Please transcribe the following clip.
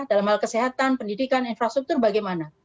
dalam hal kesehatan pendidikan infrastruktur bagaimana